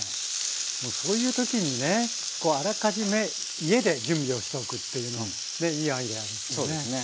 そういう時にねあらかじめ家で準備をしておくっていうのはいいアイデアですね。